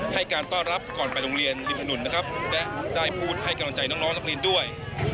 ให้การต้อนรับก่อนไปโรงเรียนริมถนนนะครับและได้พูดให้กำลังใจน้องนักเรียนด้วย